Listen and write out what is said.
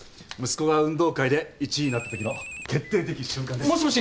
息子が運動会で１位になったときの決定的瞬間です。